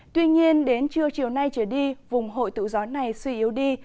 tuy nhiên đến trưa chiều nay trở đi vùng hội tụ gió này suy yếu đi